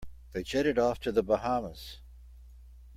They jetted off to the Bahamas.